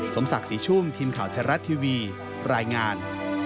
สมศักดิ์ศรีชุ่มทีมข่าวไทยรัฐทีวีรายงาน